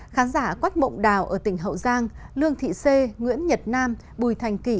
khán giả quách mộng đào ở tỉnh hậu giang lương thị xê nguyễn nhật nam bùi thành kỷ